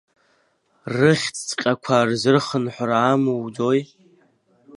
Рыхьӡҵәҟьақәа рзырхынҳәра амуӡои?